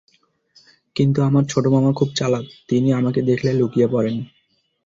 কিন্তু আমার ছোট মামা খুব চালাক, তিনি আমাকে দেখলে লুকিয়ে পড়েন।